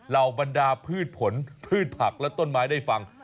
เหล่าบรรดาพืชผลพืชผักและต้นไม้ได้ฟัง